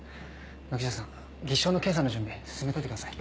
軒下さん技師長の検査の準備進めといてください。